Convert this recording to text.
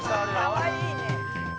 かわいいね。